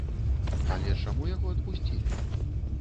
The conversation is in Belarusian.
Але чаму яго адпусцілі?